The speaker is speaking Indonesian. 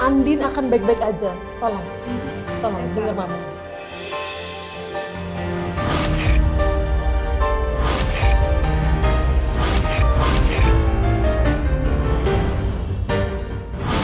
andin akan baik baik aja